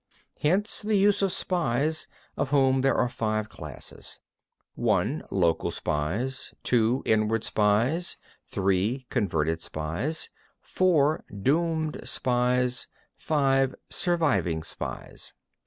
7. Hence the use of spies, of whom there are five classes: (1) Local spies; (2) inward spies; (3) converted spies; (4) doomed spies; (5) surviving spies.